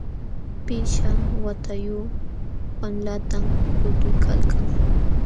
Pishqa watayuq wamlatam lutuykalkan.